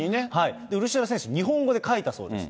ウルシェラ選手、日本語で書いたそうです。